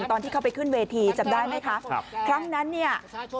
ตอนที่เข้าไปขึ้นเวทีจำได้ไหมคะครับครั้งนั้นเนี่ย